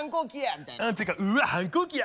みたいな？っていうか「うわ反抗期や！」